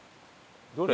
どれ？